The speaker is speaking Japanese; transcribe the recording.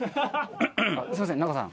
すみません、仲さん。